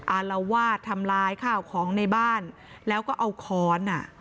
อารวาสทำร้ายข้าวของในบ้านแล้วก็เอาค้อนอ่ะ